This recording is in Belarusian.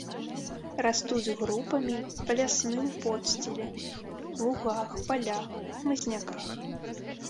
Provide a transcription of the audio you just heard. Растуць групамі па лясным подсціле, лугах, палях, у хмызняках.